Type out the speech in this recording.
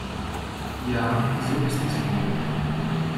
Ja, so ist es wohl.